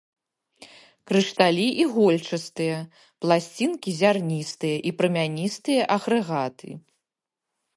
Крышталі ігольчастыя, пласцінкі, зярністыя і прамяністыя агрэгаты.